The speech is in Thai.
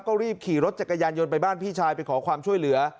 ก็รีบขี่รถจักรยานยนต์ไปบ้านพี่ชายไปขอความช่วยเหลือ